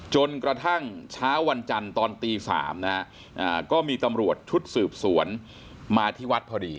จนกระทั่งเช้าวันจันทร์ตอนตี๓นะฮะก็มีตำรวจชุดสืบสวนมาที่วัดพอดี